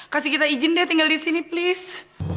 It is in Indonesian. kasih kita izin deh tinggal disini please